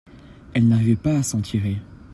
elle n'arrivait pas à s'en tirer.